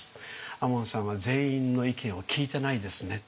亞門さんは全員の意見を聞いてないですね」。